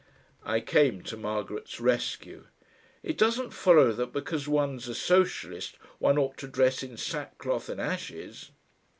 I came to Margaret's rescue. "It doesn't follow that because one's a socialist one ought to dress in sackcloth and ashes."